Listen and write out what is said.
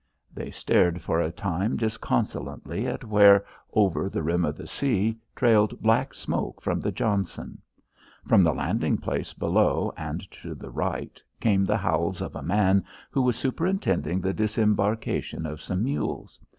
They stared for a time disconsolately at where, over the rim of the sea, trailed black smoke from the Johnson. From the landing place below and to the right came the howls of a man who was superintending the disembarkation of some mules.